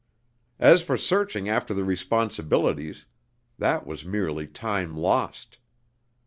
As for searching after the responsibilities, that was merely time lost.